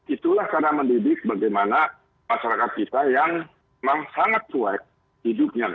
itulah cara mendidik bagaimana masyarakat kita yang memang sangat kuat hidupnya